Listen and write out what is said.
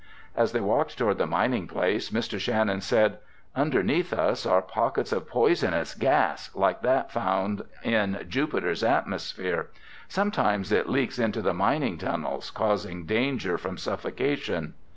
As they walked toward the mining place, Mr. Shannon said, "Underneath us are pockets of poisonous gas like that found in Jupiter's atmosphere. Sometimes it leaks into the mining tunnels causing danger from suffocation."